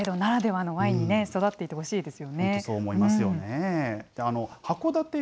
これから北海道ならではのワインに育っていってほしいですよ